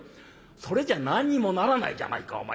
「それじゃ何にもならないじゃないかお前。